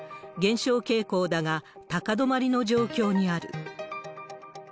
減少傾向だが、高止まりの状況にある。